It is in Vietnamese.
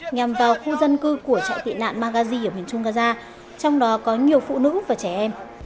nhằm vào khu dân cư của trại tị nạn maghazi ở miền trung gaza trong đó có nhiều phụ nữ và trẻ em